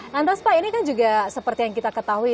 lantas pak ini kan juga seperti yang kita ketahui